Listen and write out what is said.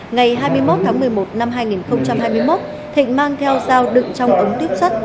ngày hai mươi một tháng một mươi một năm hai nghìn hai mươi một thịnh mang theo dao đựng trong ống tiếp sắt